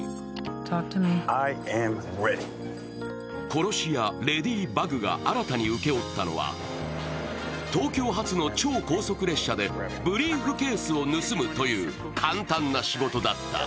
殺し屋・レディバグが新たに請け負ったのは東京発の超高速列車でブリーフケースを盗むという簡単な仕事だった。